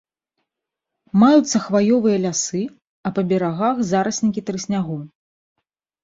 Маюцца хваёвыя лясы, а па берагах зараснікі трыснягу.